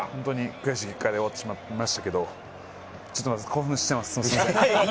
悔しい結果で終わってしまったんですけれど、ちょっとまだ興奮しています。